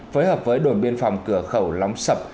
phối hợp với đồn biên phòng cửa khẩu lóng sập